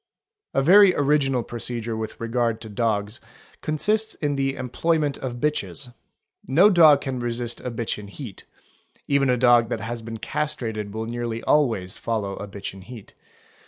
) i A very original procedure with regard to dogs consists in the employ ment of bitches; no dog can resist a bitch in heat; even a dog that has been castrated will nearly always follow a bitch in heat.